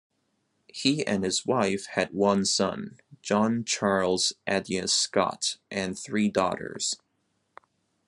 He and his wife had one son, John Charles Addyes Scott and three daughters.